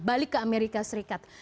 balik ke amerika serikat